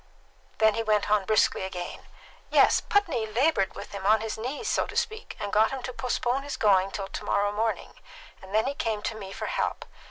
Then he went on briskly again. "Yes. Putney laboured with him on his knees, so to speak, and got him to postpone his going till to morrow morning; and then he came to me for help.